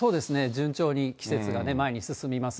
順調に季節が前に進みます。